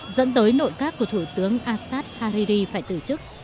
dẫn tới nội các của thủ tướng assad hariri phải từ chức